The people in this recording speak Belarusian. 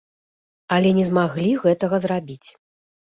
Але не змаглі гэтага зрабіць.